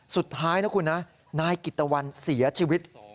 สุดท้ายนะคุณนะนายกิตตะวันเสียชีวิต